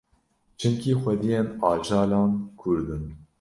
Çimkî xwediyên ajalan Kurd bûn